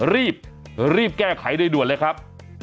รีบรีบแก้ไขโดยด่วนเลยครับ